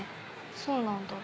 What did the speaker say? そうなんだ。